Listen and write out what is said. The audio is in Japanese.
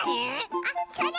あっそれ！